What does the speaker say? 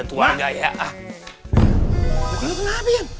bukannya pernah abian